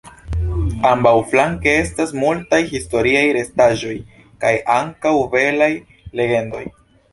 Ambaǔflanke estas multaj historiaj restasĵoj kaj ankaǔ belaj legendoj.